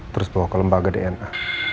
terus bawa ke lembaga dna